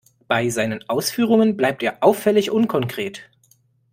Bei seinen Ausführungen bleibt er auffällig unkonkret.